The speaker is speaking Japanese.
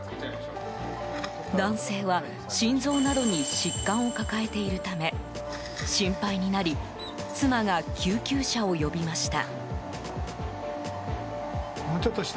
男性は心臓などに疾患を抱えているため心配になり妻が救急車を呼びました。